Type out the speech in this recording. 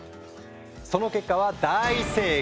その結果は大盛況！